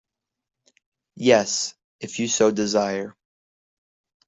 Yes, If you so desire.